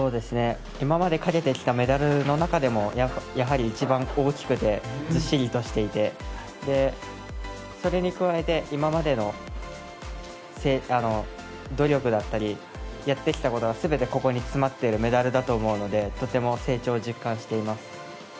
今までかけてきたメダルの中でもやはり一番大きくてずっしりとしていてそれに加えて今までの努力だったりやってきたことがここに詰まっているメダルだと思うのでとても成長を実感しています。